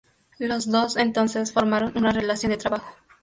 Los dos entonces formaron una relación de trabajo.